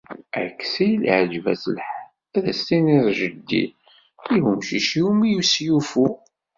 Aksil iɛǧeb-as lḥal. As tiniḍ Jeddi i wemcic iwumi yeslufu.